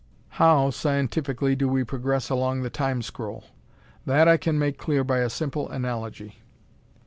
How, scientifically, do we progress along the Time scroll? That I can make clear by a simple analogy.